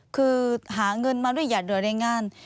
คือหาเงินมาด้วยหยัดหรือแรงงาน